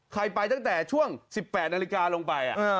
ไปตั้งแต่ช่วง๑๘นาฬิกาลงไป